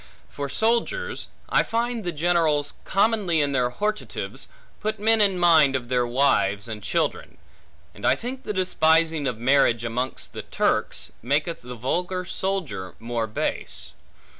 For soldiers, I find the generals commonly in their hortatives, put men in mind of their wives and children; and I think the despising of marriage amongst the Turks, maketh the vulgar soldier more base.